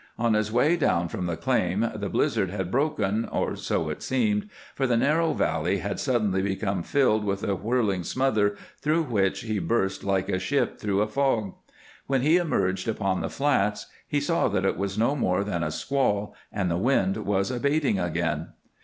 On his way down from the claim the blizzard had broken, or so it seemed, for the narrow valley had suddenly become filled with a whirling smother through which he burst like a ship through a fog. When he emerged upon the flats he saw that it was no more than a squall and the wind was abating again.